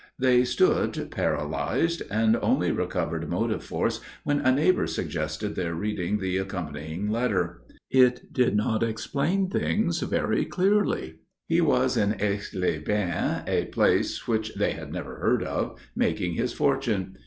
They stood paralyzed and only recovered motive force when a neighbour suggested their reading the accompanying letter. It did not explain things very clearly. He was in Aix les Bains, a place which they had never heard of, making his fortune.